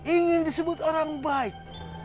ingin disebut orang baik